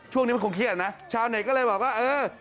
ช่วงนี้มันคงเครียดนะชาวเน็ตก็เลยบอกว่าเออ